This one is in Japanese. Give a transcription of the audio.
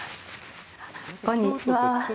こんにちは。